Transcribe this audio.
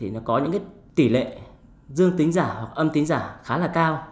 nó có những tỷ lệ dương tính giả hoặc âm tính giả khá là cao